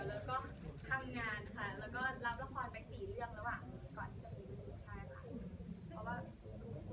แล้วก็ทำงานค่ะแล้วก็รับละครไปสี่เรื่องระหว่างก่อนจะมีลูกชายมาก